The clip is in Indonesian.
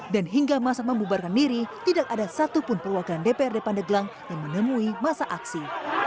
dan hingga masa membubarkan diri tidak ada satupun perwakilan dprd pandeglang yang menemui masa aksi